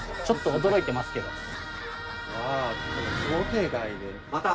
ちょっと驚いてますけど。